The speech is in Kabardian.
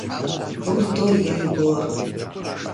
Бор дой, яй бор.